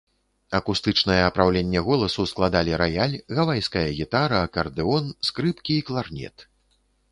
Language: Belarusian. Акустычнае апраўленне голасу складалі раяль, гавайская гітара, акардэон, скрыпкі і кларнет.